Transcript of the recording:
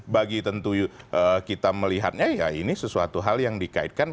bagi tentu kita melihatnya ya ini sesuatu hal yang dikaitkan